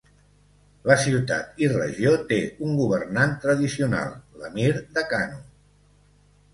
La ciutat i regió té un governant tradicional, l'emir de Kano.